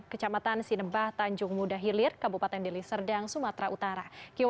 kecamatan sinebah tanjung muda hilir kabupaten deli serdang sumatera utara